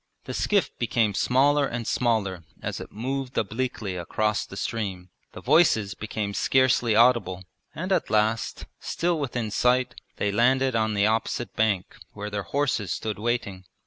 The skiff became smaller and smaller as it moved obliquely across the stream, the voices became scarcely audible, and at last, still within sight, they landed on the opposite bank where their horses stood waiting.